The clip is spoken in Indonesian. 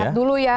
dilihat dulu ya